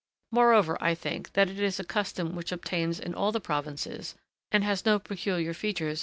Moreover, I think that it is a custom which obtains in all the provinces and has no peculiar features as practised among us.